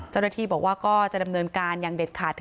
เจ้าหน้าที่บอกว่าก็จะดำเนินการอย่างเด็ดขาด